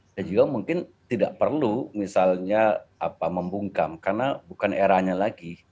saya juga mungkin tidak perlu misalnya membungkam karena bukan eranya lagi